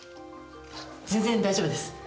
全然大丈夫です。